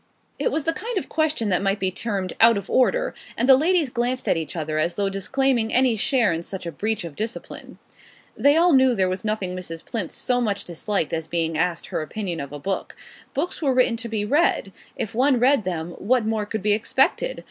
It was the kind of question that might be termed out of order, and the ladies glanced at each other as though disclaiming any share in such a breach of discipline. They all knew there was nothing Mrs. Plinth so much disliked as being asked her opinion of a book. Books were written to read; if one read them what more could be expected?